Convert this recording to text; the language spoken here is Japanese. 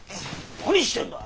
何してんだ！